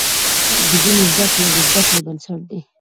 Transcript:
د ژبي زده کړه د زده کړې بنسټ دی.